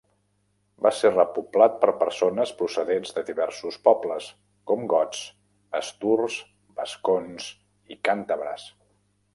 Va ser repoblat per persones procedents de diversos pobles, com gots, asturs, vascons i càntabres.